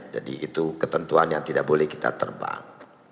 jadi itu ketentuan yang tidak boleh kita terbang